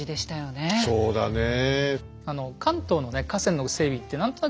そうだねえ。